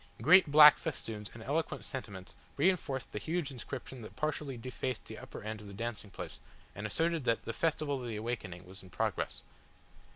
Great black festoons and eloquent sentiments reinforced the huge inscription that partially defaced the upper end of the dancing place, and asserted that "The Festival of the Awakening" was in progress.